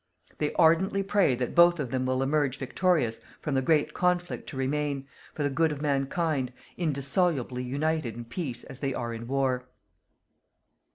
They ardently pray that both of them will emerge victorious from the great conflict to remain, for the good of Mankind, indissolubly united in peace as they are in war.